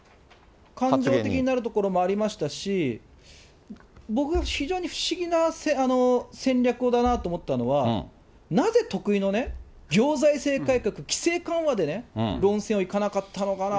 感情的になるところもありましたし、僕が非常に不思議な戦略だなと思ったのは、なぜ得意の行財政改革、規制緩和で論戦をいかなかったのかな。